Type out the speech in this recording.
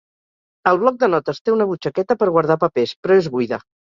El bloc de notes té una butxaqueta per guardar papers, però és buida.